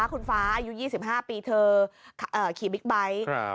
คุณฟ้าอายุยี่สิบห้าปีเธอเอ่อขี่บิ๊กไบท์ครับ